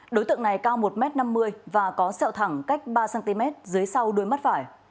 đối tượng này cao một m năm mươi và có sẹo thẳng cách ba cm dưới sau đuôi mắt phải